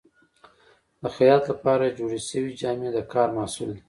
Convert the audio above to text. د خیاط لپاره جوړې شوې جامې د کار محصول دي.